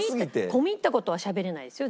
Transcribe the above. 込み入った事はしゃべれないですよ